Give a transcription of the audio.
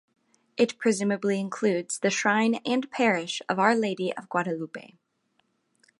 It presumably includes the shrine and parish of Our Lady of Guadalupe.